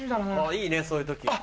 いいねそういう時。